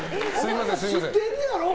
知ってるやろ！